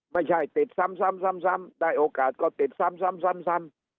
ไม่ใช่ติดซ้ำซ้ำซ้ำซ้ำได้โอกาสก็ติดซ้ำซ้ำซ้ำ